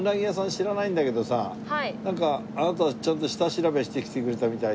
知らないんだけどさなんかあなたたちちゃんと下調べしてきてくれたみたいで。